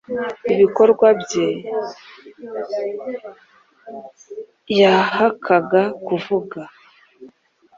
Ibikorwa bya e yahakaga kuvuga